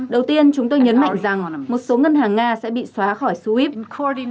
đầu tiên chúng tôi nhấn mạnh rằng một số ngân hàng nga sẽ bị xóa khỏi suiford